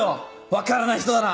分からない人だな！